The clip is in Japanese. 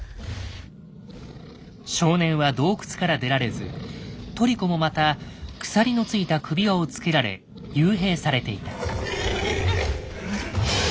少年は洞窟から出られずトリコもまた鎖のついた首輪を付けられ幽閉されていた。